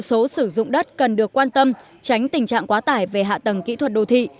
số sử dụng đất cần được quan tâm tránh tình trạng quá tải về hạ tầng kỹ thuật đô thị